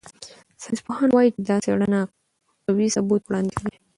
ساینسپوهان وايي چې دا څېړنه قوي ثبوت وړاندې کوي.